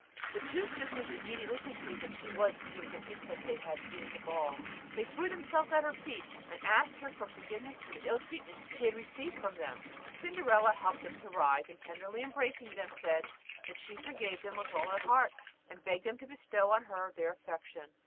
The two sisters immediately perceived that she was the beautiful princess they had seen at the ball. They threw themselves at her feet, and asked her forgiveness for the ill treatment she had received from them. Cinderella helped them to rise, and, tenderly embracing them, said that she forgave them with all her heart, and begged them to bestow on her their affection.